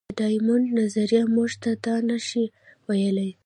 د ډایمونډ نظریه موږ ته دا نه شي ویلی.